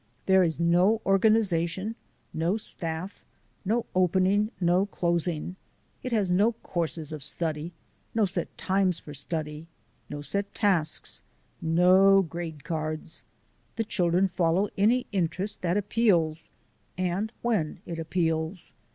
There is no organization, no staff; no opening, no closing. It has no courses of study, no set times for study, no set tasks, no grade cards. The children follow any interest that appeals, and when it appeals.